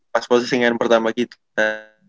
pas posisikan pertama kita